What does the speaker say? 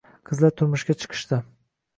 Qizlar turmushga chiqishdi